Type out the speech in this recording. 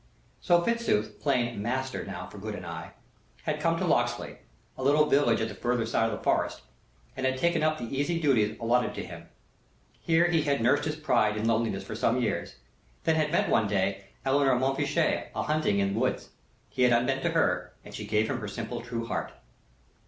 So Fitzooth, plain "master" now for good and aye, had come to Locksley, a little village at the further side of the forest, and had taken up the easy duties allotted to him. Here he had nursed his pride in loneliness for some years; then had met one day Eleanor Montfichet a hunting in the woods. He had unbent to her, and she gave him her simple, true heart.